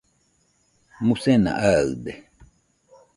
musena aɨde